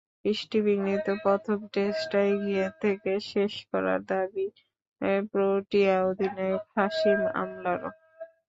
বৃষ্টিবিঘ্নিত প্রথম টেস্টটা এগিয়ে থেকে শেষ করার দাবি প্রোটিয়া অধিনায়ক হাশিম আমলারও।